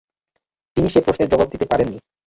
তিনি সে-প্রশ্নের জবাব দিতে পারেন নি।